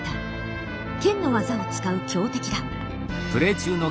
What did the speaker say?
剣の技を使う強敵だ。